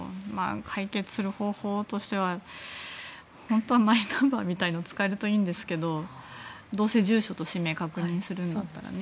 解決する方法としては本当はマイナンバーみたいなのを使えるといいんですけどどうせ住所と氏名を確認するんだったらね。